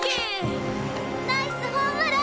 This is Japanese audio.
ナイスホームラン！